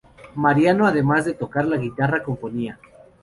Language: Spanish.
Mariano además de tocar la guitarra, componía.